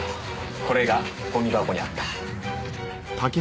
これがゴミ箱にあった。